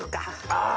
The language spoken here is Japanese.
ああ！